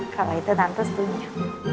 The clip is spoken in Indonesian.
kalau itu tante setunya